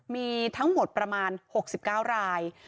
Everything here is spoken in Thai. มีทั้งหมดประมาณ๖๙ราย